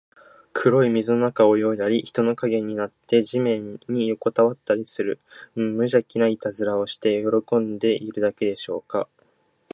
黒い水の中を泳いだり、人の影になって地面によこたわったりする、むじゃきないたずらをして喜んでいるだけでしょうか。